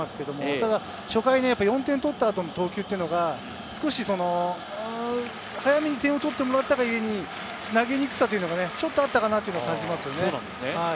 ただ初回、４点取った後の投球っていうのが、少し早めに点を取ってもらったがゆえに投げにくさというのがちょっとあったかなと感じますね。